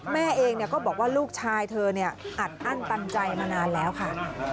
แม่เองก็บอกว่าลูกชายเธออัดอั้นตันใจมานานแล้วค่ะ